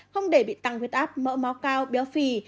không để bị tăng huyết áp mỡ máu cao béo phì